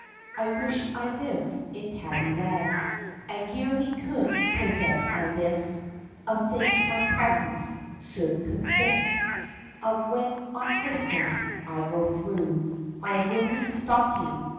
(I wish I lived in Tabbyland And yearly could present a list Of things my presents should consist Of, when on Christmas I go through My roomy stocking.